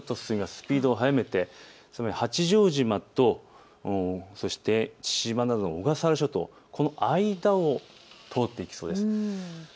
スピードを速めて、つまり八丈島と父島など小笠原諸島の間を通っていきそうです。